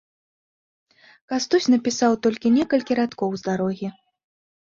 Кастусь напісаў толькі некалькі радкоў з дарогі.